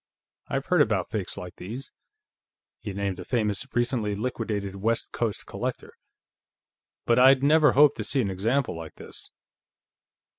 I've heard about fakes like these," he named a famous, recently liquidated West Coast collection "but I'd never hoped to see an example like this."